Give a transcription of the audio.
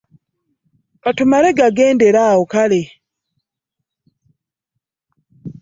Ka tumale gagendera awo kale.